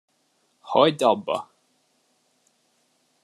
Hagyd abba!